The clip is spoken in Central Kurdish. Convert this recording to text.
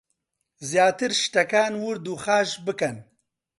زیاتر شتەکان ورد و خاش بکەن